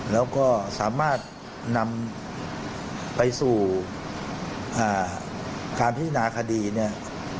แล้วก็สามารถนำไปสู่การพิจารณาคดีเนี่ย